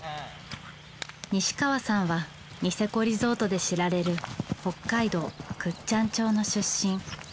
西川さんはニセコリゾートで知られる北海道倶知安町の出身。